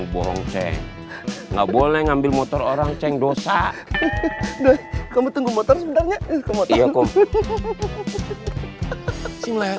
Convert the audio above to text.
boleh ngambil motor orang ceng dosa kamu tunggu motor sebenarnya ke motor